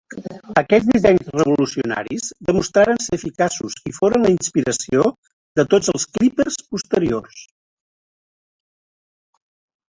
Aquells dissenys revolucionaris demostraren ser eficaços i foren la inspiració de tots els clípers posteriors.